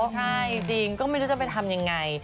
ใช่จริงก็ไม่รู้จะไปทำยังไง